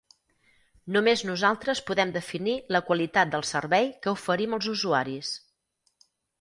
Només nosaltres podem definir la qualitat del servei que oferim als usuaris.